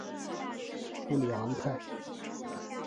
布里昂泰。